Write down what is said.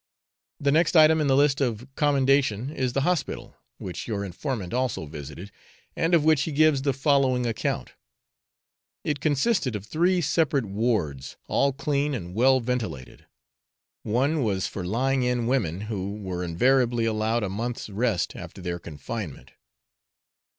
The next item in the list of commendation is the hospital, which your informant also visited, and of which he gives the following account 'It consisted of three separate wards, all clean and well ventilated: one was for lying in women, who were invariably allowed a month's rest after their confinement.'